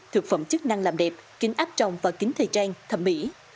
thực phẩm chức năng làm đẹp kính áp trồng và kính thời trang thẩm mỹ